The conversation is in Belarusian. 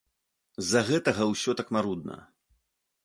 З-за гэтага ўсё так марудна.